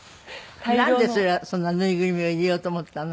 なんでそれはそんな縫いぐるみを入れようと思ったの？